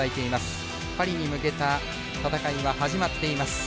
パリに向けた戦いは始まっています。